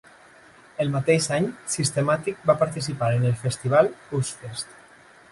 El mateix any, Systematic va participar en el festival Ozzfest.